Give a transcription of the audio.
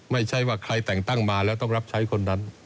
ไม่ใช่ว่าใครแต่งตั้งมาแล้วต้องรับใช้คนนั้น